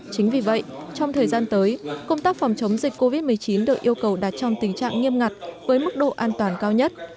chính vì vậy trong thời gian tới công tác phòng chống dịch covid một mươi chín được yêu cầu đạt trong tình trạng nghiêm ngặt với mức độ an toàn cao nhất